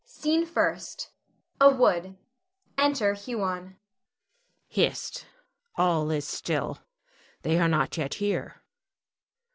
SCENE FIRST. [A wood. Enter Huon.] Huon. Hist! All is still. They are not yet here.